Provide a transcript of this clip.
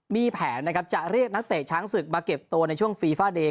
มีแผนนะครับจะเรียกนักเตะช้างศึกมาเก็บตัวในช่วงฟีฟาเดย์